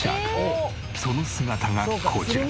その姿がこちら。